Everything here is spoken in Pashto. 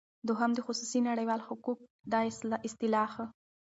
دوهم د خصوصی نړیوال حقوق دا اصطلاح